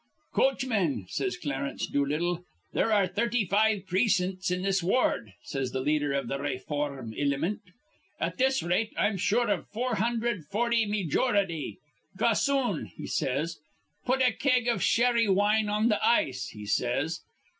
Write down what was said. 'Coachmen,' says Clarence Doolittle. 'There are thirty five precin'ts in this ward,' says th' leader iv th' rayform ilimint. 'At this rate, I'm sure iv 440 meejority. Gossoon,' he says, 'put a keg iv sherry wine on th' ice,' he says.